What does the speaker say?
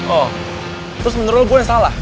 oh terus menurut gue yang salah